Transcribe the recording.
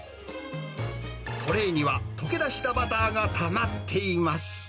トレーには溶け出したバターがたまっています。